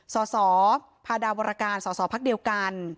สสพาดาวรการสสพักเดียวกัน